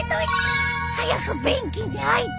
早く便器にあいたい